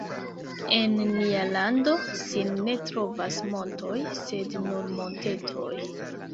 En nia lando sin ne trovas montoj, sed nur montetoj.